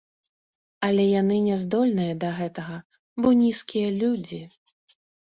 Але яны не здольныя да гэтага, бо нізкія людзі.